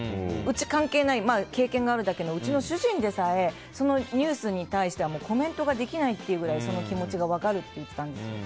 関係ない、経験があるだけのうちの主人でさえそのニュースに対してはコメントができないぐらいその気持ちが分かるって言っていたんです。